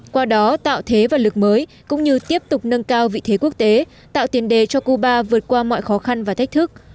qua đó tạo thế và lực mới cũng như tiếp tục nâng cao vị thế quốc tế tạo tiền đề cho cuba vượt qua mọi khó khăn và thách thức